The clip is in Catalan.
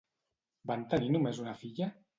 Van tenir només una filla?